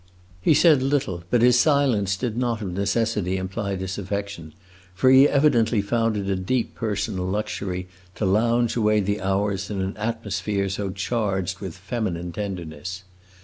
He said little, but his silence did not of necessity imply disaffection, for he evidently found it a deep personal luxury to lounge away the hours in an atmosphere so charged with feminine tenderness.